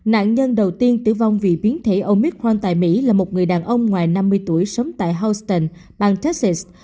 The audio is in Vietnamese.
nạn nhân đầu tiên tử vong vì biến thể omicron tại mỹ là một người đàn ông ngoài năm mươi tuổi sống tại houston bang texas